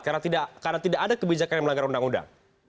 karena tidak ada kebijakan yang melanggar undang undang